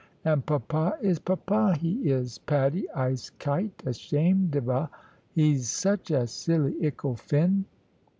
And papa, is papa, he is. Patty, I'se kite ashamed of 'a. 'E's such a silly ickle fin!"